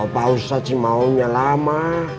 pak ustadz sih maunya lama